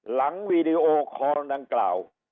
หลังวีดีโอข้อละลังกล่าว